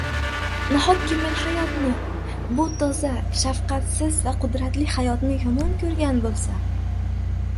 Nahotki men hayotni, bu toza, shafqatsiz va qudratli hayotni yomon ko‘rgan bo‘lsam?